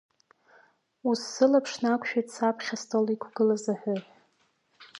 Ус сылаԥш нақәшәеит саԥхьа астол иқәыз аҳәыҳә.